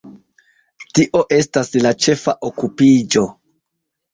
Tio estas la ĉefa okupiĝo.